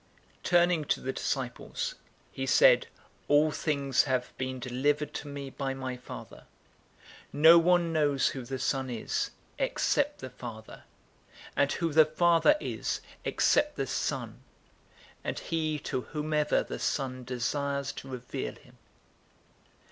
010:022 Turning to the disciples, he said, "All things have been delivered to me by my Father. No one knows who the Son is, except the Father, and who the Father is, except the Son, and he to whomever the Son desires to reveal him."